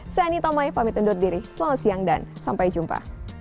saya anita mai pamit undur diri selamat siang dan sampai jumpa